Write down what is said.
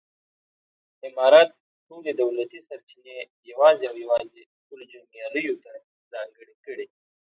امارت ټولې دولتي سرچینې یوازې او یوازې خپلو جنګیالیو ته ځانګړې کړې.